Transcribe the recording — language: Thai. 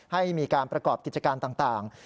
ให้มีการประกอบกิจการต่าง